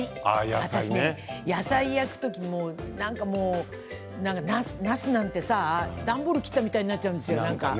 私ね野菜焼く時なすなんてさ、段ボール切ったみたいになっちゃうんですよ。